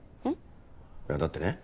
いやだってね。